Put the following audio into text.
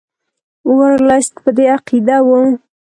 ورلسټ په دې عقیده وو.